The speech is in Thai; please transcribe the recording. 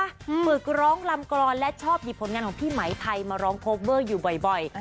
ฝึกร้องลำกรอนและชอบหยิบผลงานของพี่ไหมไทยมาร้องโคเวอร์อยู่บ่อย